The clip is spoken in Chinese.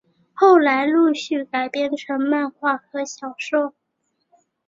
后来陆续改编成漫画和小说。